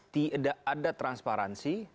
tidak ada transparansi